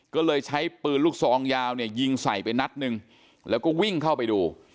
ก็เลยใช้ปืนลูกซองยาวเนี่ยยิงใส่ไปนัดหนึ่งแล้วก็วิ่งเข้าไปดู